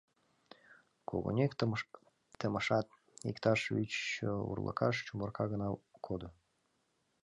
Когынек темышат, иктаж вич урлыкаш чумырка гына кодо.